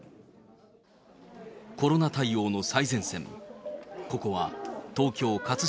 コロナ対応の最前線。